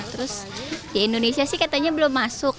terus di indonesia sih katanya belum masuk